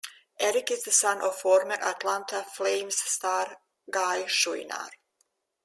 Eric is the son of former Atlanta Flames star Guy Chouinard.